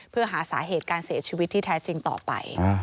เพื่อหาสาเหตุการเสียชีวิตที่แท้จริงต่อไป